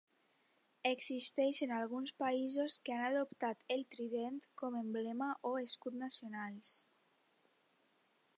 Existeixen alguns països que han adoptat el trident com emblema o escut nacionals.